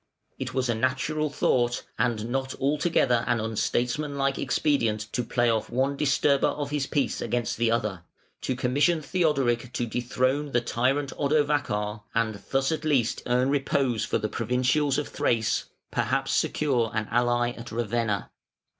It was a natural thought and not altogether an unstatesmanlike expedient to play off one disturber of his peace against the other, to commission Theodoric to dethrone the "tyrant" Odovacar, and thus at least earn repose for the provincials of Thrace, perhaps secure an ally at Ravenna.